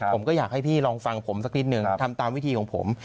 ผมก็อยากให้พี่ลองฟังผมสักนิดนึงทำตามวิธีของผม